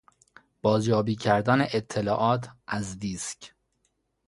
بازیابی کردن اطلاعات از دیسک